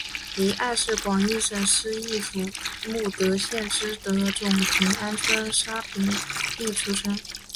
黎艾是广义省思义府慕德县知德总平安村沙平邑出生。